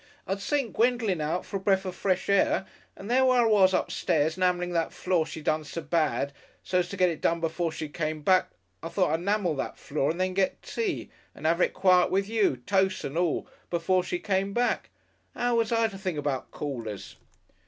I'd sent Gwendolen out for a bref of fresh air, and there I was upstairs 'namelling that floor she done so bad, so's to get it done before she came back. I thought I'd 'namel that floor and then get tea and 'ave it quiet with you, toce and all, before she came back. 'Ow was I to think about Callers?"